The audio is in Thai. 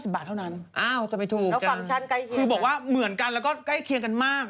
๔๙๙๐บาทเท่านั้นคือบอกว่าเหมือนกันแล้วก็ใกล้เคียงกันมาก